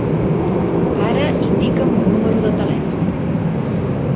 Ara indica'm un número de telèfon.